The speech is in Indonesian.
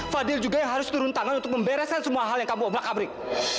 fadil juga yang harus turun tangan untuk membereskan semua hal yang kamu oblak abrik